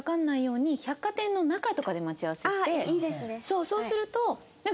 そうすると。